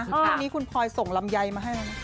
วันนี้คุณพลอยส่งลำไยมาให้เรานะ